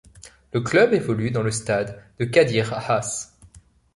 Le club évolue dans le stade de Kadir Has.